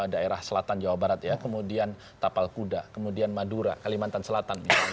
daerah selatan jawa barat ya kemudian tapal kuda kemudian madura kalimantan selatan